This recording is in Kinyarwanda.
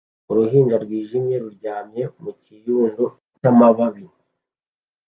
Uruhinja rwijimye ruryamye mu kirundo cyamababi